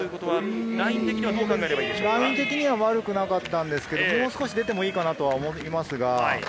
ライン的には悪くなかったので、もう少し出てもいいと思います。